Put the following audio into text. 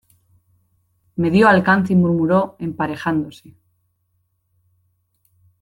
me dió alcance y murmuró emparejándose: